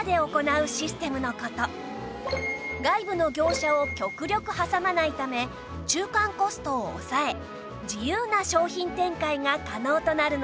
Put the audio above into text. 外部の業者を極力挟まないため中間コストを抑え自由な商品展開が可能となるのです